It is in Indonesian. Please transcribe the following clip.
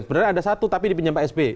sebenarnya ada satu tapi dipinjam pak sbe